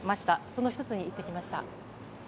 その１つに行ってきました。